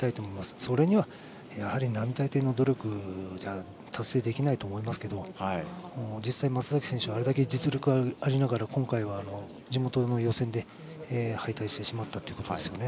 それにはやはり並大抵の努力じゃ達成できないと思いますけど実際、松崎選手はあれだけ実力がありながら今回は、地元の予選で敗退してしまったということですね。